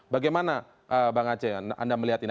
bagaimana bang aceh anda melihat ini